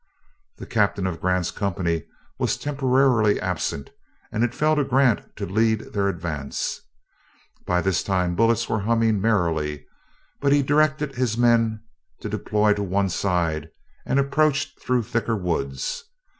The captain of Grant's company was temporarily absent, and it fell to Grant to lead their advance. By this time the bullets were humming merrily, but he directed his men to deploy to one side and approach through thicker woods.